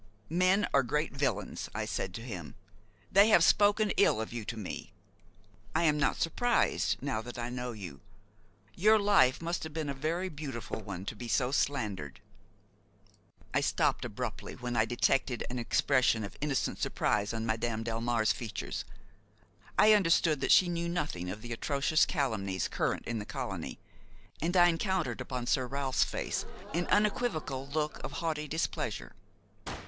"Men are great villains," I said to him; "they have spoken ill of you to me. I am not surprised, now that I know you. Your life must have been a very beautiful one, to be so slandered–" I stopped abruptly when I detected an expression of innocent surprise on Madame Delmare's features. I understood that she knew nothing of the atrocious calumnies current in the colony, and I encountered upon Sir Ralph's face an unequivocal look of haughty displeasure.